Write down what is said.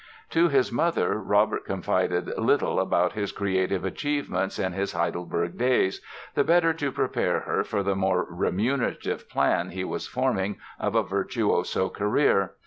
To his mother Robert confided little about his creative achievements in his Heidelberg days, the better to prepare her for the more remunerative plan he was forming of a virtuoso career.